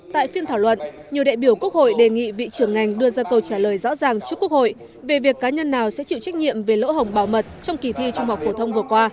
tại phiên thảo luận nhiều đại biểu quốc hội đề nghị vị trưởng ngành đưa ra câu trả lời rõ ràng trước quốc hội về việc cá nhân nào sẽ chịu trách nhiệm về lỗ hồng bảo mật trong kỳ thi trung học phổ thông vừa qua